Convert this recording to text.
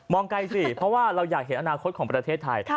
ไกลสิเพราะว่าเราอยากเห็นอนาคตของประเทศไทย